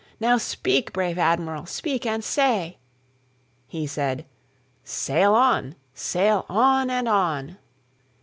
Now speak, brave Admiral, speak and say"—He said: "Sail on! sail on! and on!"